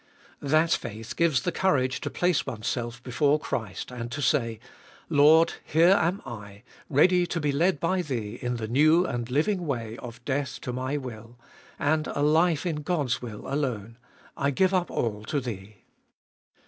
That faith gives the courage to place oneself before Christ and to say — Lord, here am I, ready to be led by Thee in the new and living way of death to my will, and a life in God's will alone : I give up all to Thee.